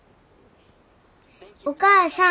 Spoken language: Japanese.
お母さん。